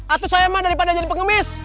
asuh saya mah daripada jadi pengemis